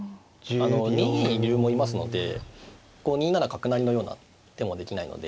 ２二に竜もいますので２七角成のような手もできないので。